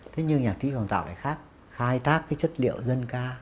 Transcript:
thế nhưng nhạc sĩ hoàng tạo lại khác khai tác cái chất liệu dân ca